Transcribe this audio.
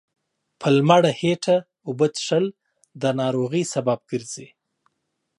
په لمړه هيټه اوبه څښل دا ناروغۍ سبب ګرځي